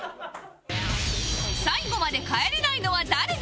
最後まで帰れないのは誰だ？